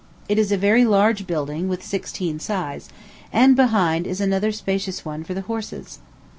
It is a very large building, with sixteen sides, and behind is another spacious one for the horses.